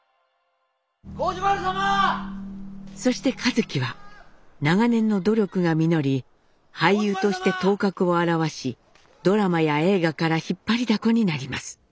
そして一輝は長年の努力が実り俳優として頭角を現しドラマや映画から引っ張りだこになります。